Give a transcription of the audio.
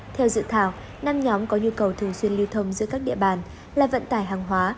theo dự thảo năm nhóm có nhu cầu thường xuyên lưu thông giữa các địa bàn là vận tải hàng hóa